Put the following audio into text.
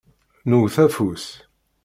Newwet afus.